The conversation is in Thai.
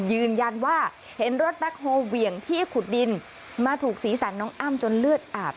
ยืนยันว่าเห็นรถแบ็คโฮเหวี่ยงที่ขุดดินมาถูกสีสันน้องอ้ำจนเลือดอาบ